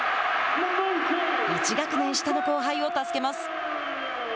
１学年下の後輩を助けます。